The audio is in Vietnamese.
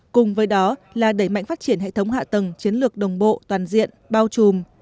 cùng với đó là đẩy mạnh phát triển hệ thống hạ tầng chiến lược đồng bộ toàn diện bao trùm